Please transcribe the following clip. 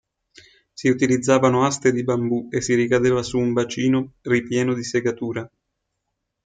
Si utilizzavano aste di bambù e si ricadeva su un bacino ripieno di segatura.